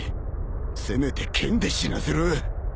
せめて剣で死なせろ。